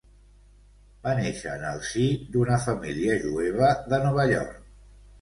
Va néixer en el si d'una família jueva de Nova York.